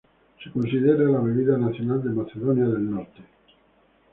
Se considera la bebida nacional de Macedonia del Norte.